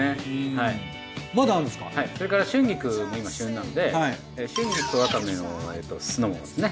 はいそれから春菊も今旬なので春菊とワカメの酢の物ですね。